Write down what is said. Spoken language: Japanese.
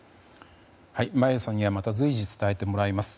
眞家さんにはまた随時、伝えてもらいます。